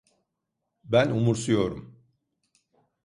Ben umursuyorum.